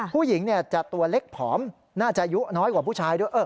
ผู้หญิงจะตัวเล็กผอมน่าจะอายุน้อยกว่าผู้ชายด้วย